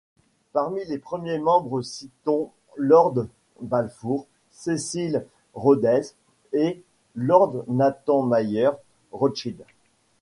Parmi les premiers membres citons Lord Balfour, Cecil Rhodes et Lord Nathan Mayer Rothschild.